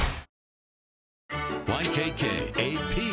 ＹＫＫＡＰ